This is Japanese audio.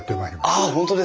あっ本当ですか。